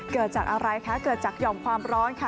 เกิดจากอะไรคะเกิดจากหย่อมความร้อนค่ะ